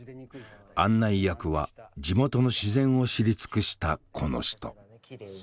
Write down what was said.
案内役は地元の自然を知り尽くしたこの人。